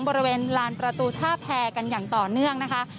บริเวณลานประตูท่าแพรกันอย่างต่อเนื่องนะคะ